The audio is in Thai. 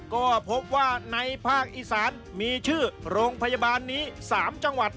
ก็พบว่าในภาคอีสานมีชื่อโรงพยาบาลนี้๓จังหวัด